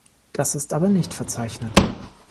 Das ist aber nicht verzeichnet.